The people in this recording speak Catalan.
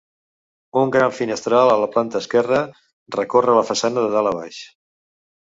Un gran finestral a la planta esquerra recorre la façana de dalt a baix.